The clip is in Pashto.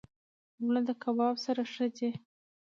اوړه د کباب سره ښه ځي